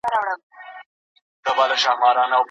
د بریا حق یوازي مستحقو ته نه سي ورکول کېدلای.